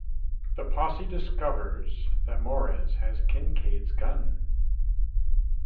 The posse discovers that Morez has Kinkaid's gun.